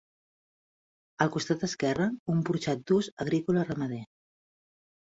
Al costat esquerre, un porxat d'ús agrícola-ramader.